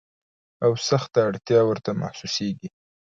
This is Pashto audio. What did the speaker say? او سخته اړتیا ورته محسوسیږي.